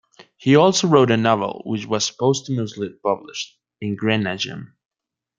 He also wrote a novel which was posthumously published: Engrenagem.